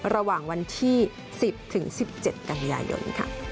ระหว่างวันที่๑๐๑๗กันยายน